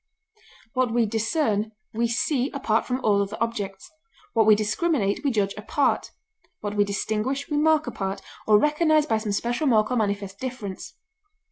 What we discern we see apart from all other objects; what we discriminate we judge apart; what we distinguish we mark apart, or recognize by some special mark or manifest difference.